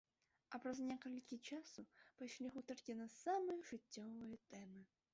А праз некалькі часу пайшлі гутаркі на самыя жыццёвыя тэмы.